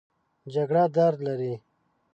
جګړه درد لري